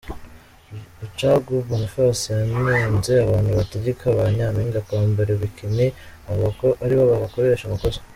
Rucagu Boniface yanenze abantu bategeka ba Nyampinga kwambara bikini avuga ko aribo babakoresha amakosa.